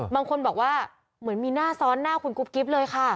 บางคนบอกว่าเหมือนมีหน้าซ้อนหน้าคุณกุ๊บกิ๊บเลยค่ะ